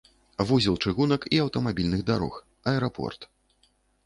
Вузел чыгунак і аўтамабільных дарог, аэрапорт.